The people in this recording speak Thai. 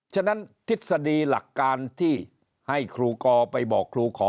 ฉะนั้นทฤษฎีหลักการที่ให้ครูกอไปบอกครูขอ